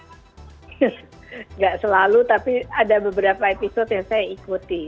tidak selalu tapi ada beberapa episode yang saya ikuti